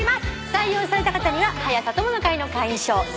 採用された方には「はや朝友の会」の会員証そして。